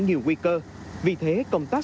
nhiều nguy cơ vì thế công tác